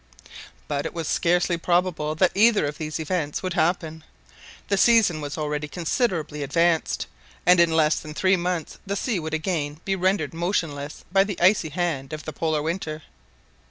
But it was scarcely probable that either of these events would happen. The season was already considerably advanced, and in less than three months the sea would again be rendered motion less by the icy hand of the Polar winter.